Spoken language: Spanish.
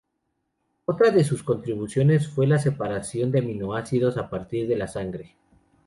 Otra de sus contribuciones fue la separación de aminoácidos a partir de la sangre.